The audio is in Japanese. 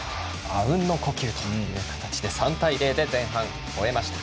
あうんの呼吸という形で３対０で前半終えました。